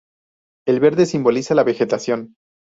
El verde simboliza la vegetación.